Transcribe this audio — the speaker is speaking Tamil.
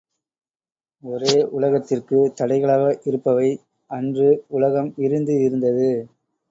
ஒரே உலகத்திற்குத் தடைகளாக இருப்பவை அன்று உலகம் விரிந்து இருந்தது.